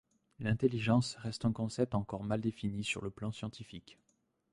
L'intelligence reste un concept encore mal défini sur le plan scientifique.